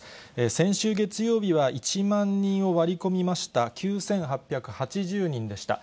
先週月曜日は、１万人を割り込みました、９８８０人でした。